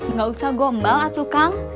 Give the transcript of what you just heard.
nggak usah gombal atu kum